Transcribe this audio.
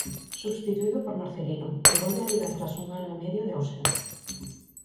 Substituído por Marcelino, que volve á Liga tras un ano e medio de ausencia.